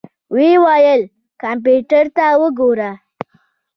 ويې ويل کمپيوټر ته وګوره.